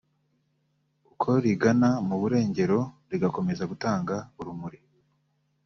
uko rigana mu burengero rigakomeza gutanga urumuri